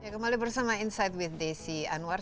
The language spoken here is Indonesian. kembali bersama insight with desi anwar